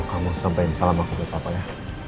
kamu sampai salam aku berapa ya